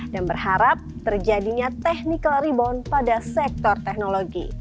dan berharap terjadinya technical rebound pada sektor teknologi